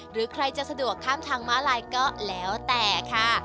หรือใครจะสะดวกข้ามทางม้าลายก็แล้วแต่ค่ะ